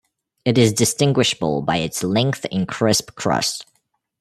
It is distinguishable by its length and crisp crust.